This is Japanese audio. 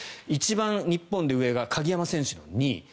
一番、日本で上が鍵山選手の２位。